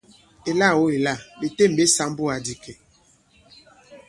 Èlâ-o èla! Ɓè têm ɓe sāmbu àdì ìkè.